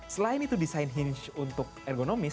selain itu desain hinch untuk ergonomis